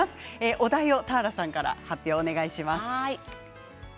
お題を俵さんから発表お願いします。